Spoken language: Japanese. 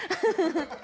ハハハハ。